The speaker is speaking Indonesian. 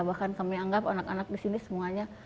bahkan kami anggap anak anak di sini semuanya